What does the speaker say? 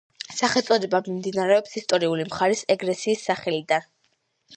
სახელწოდება მომდინარეობს ისტორიული მხარის ეგრისის სახელიდან.